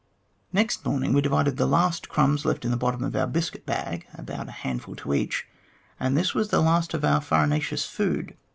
Next morning we divided the last crumbs left in the bottom of our biscuit bag, about a handful to each, and this was the last of our farinaceous food.